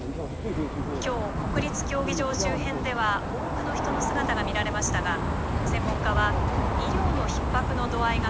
今日国立競技場周辺では多くの人の姿が見られましたが専門家は医療のひっ迫の度合いが」。